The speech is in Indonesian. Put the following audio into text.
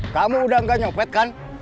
kamu udah gak nyopet kan